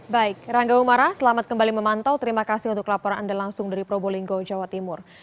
baik rangga umara selamat kembali memantau terima kasih untuk laporan anda langsung dari probolinggo jawa timur